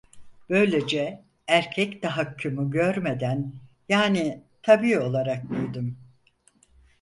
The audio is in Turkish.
Böylece erkek tahakkümü görmeden, yani tabii olarak büyüdüm.